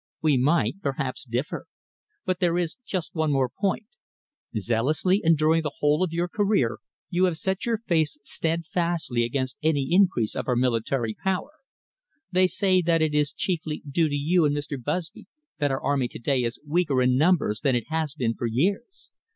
We might, perhaps, differ. But there is just one more point. Zealously and during the whole of your career, you have set your face steadfastly against any increase of our military power. They say that it is chiefly due to you and Mr. Busby that our army to day is weaker in numbers than it has been for years.